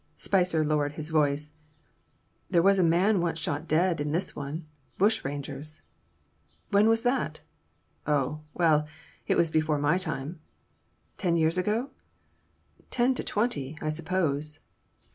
Spicer lowered his voice. "There was a man once shot dead in this one. Bushrangers!" "When was that?" "Oh, well, it was before my time." "Ten years ago?" "Ten to twenty, I suppose."